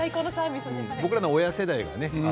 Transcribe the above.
僕らの親世代はね